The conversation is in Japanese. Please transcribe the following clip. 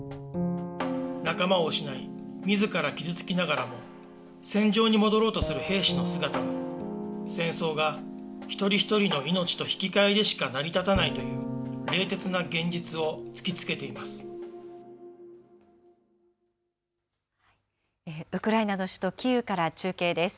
仲間を失い、みずから傷つきながらも、戦場に戻ろうとする兵士の姿は、戦争が一人一人の命と引き換えでしか成り立たないという、ウクライナの首都キーウから中継です。